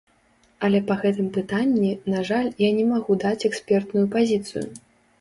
Але па гэтым пытанні, на жаль, я не магу даць экспертную пазіцыю.